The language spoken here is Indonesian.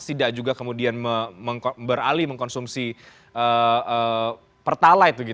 tidak juga kemudian beralih mengkonsumsi pertalite